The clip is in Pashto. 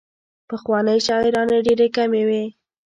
پخوانۍ شاعرانې ډېرې کمې وې.